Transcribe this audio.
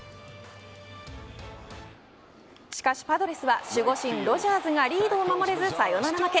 しかし、パドレスは守護神ロジャーズがリードを守れずサヨナラ負け。